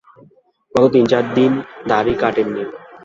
গত তিন-চার দিন দাড়ি কাটেন নি।